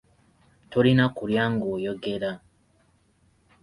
Tolina kulya ng'oyogera.